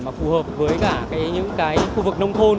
mà phù hợp với cả những cái khu vực nông thôn